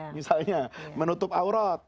misalnya menutup aurat